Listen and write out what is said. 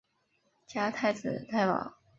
加太子太保。